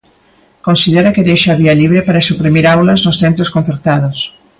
Considera que deixa a vía libre para suprimir aulas nos centros concertados.